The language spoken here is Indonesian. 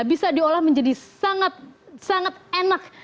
bisa diolah menjadi sangat enak